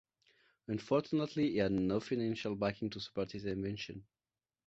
Unfortunately, he had no financial backing to support his invention.